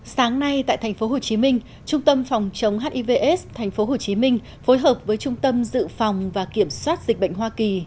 sáng nay tại tp hcm trung tâm phòng chống hiv aids tp hcm phối hợp với trung tâm dự phòng và kiểm soát dịch bệnh hoa kỳ